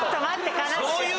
悲しい。